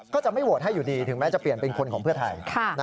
ก็จะไม่โหวตให้อยู่ดีถึงแม้จะเปลี่ยนเป็นคนของเพื่อไทย